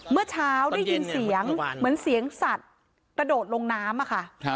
เมื่อเช้าได้ยินเสียงเหมือนเสียงสัตว์กระโดดลงน้ำค่ะ